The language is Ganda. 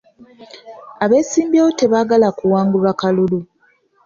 Abesimbyewo tebaagala kuwangulwa kalulu.